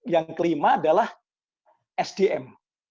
yang kelima adalah sdm